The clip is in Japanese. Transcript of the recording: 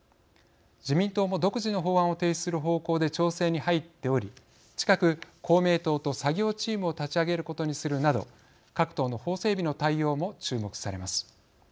自民党も独自の法案を提出する方向で調整に入っており近く、公明党と作業チームを立ち上げることにするなど各党の法整備の対応も注目されます。